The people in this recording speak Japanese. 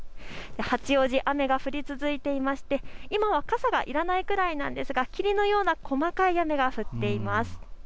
八王子、雨が降り続いていまして今は傘がいらないくらいなんですが霧のような細かい雨が降っています。